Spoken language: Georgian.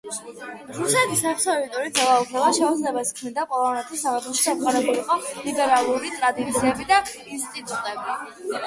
რუსეთის აბსოლუტური ძალაუფლება, შეუძლებელს ქმნიდა პოლონეთის სამეფოში დამყარებულიყო ლიბერალური ტრადიციები და ინსტიტუტები.